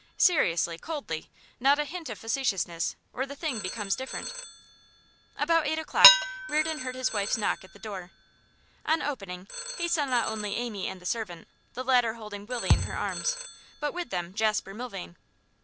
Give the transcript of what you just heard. Seriously, coldly; not a hint of facetiousness, or the thing becomes different.' About eight o'clock Reardon heard his wife's knock at the door. On opening he saw not only Amy and the servant, the latter holding Willie in her arms, but with them Jasper Milvain.